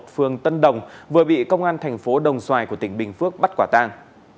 phường tân đồng vừa bị công an thành phố đồng xoài của tỉnh bình phước bắt quả tang